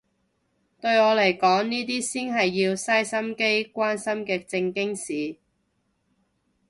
對我嚟講呢啲先係要嘥心機關心嘅正經事